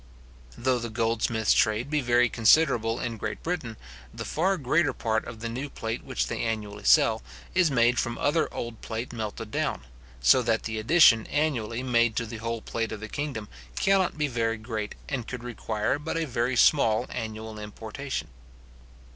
Though the goldsmiths trade be very considerable in Great Britain, the far greater part of the new plate which they annually sell, is made from other old plate melted down; so that the addition annually made to the whole plate of the kingdom cannot be very great, and could require but a very small annual importation.